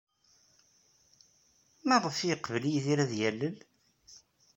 Maɣef ay yeqbel Yidir ad yalel?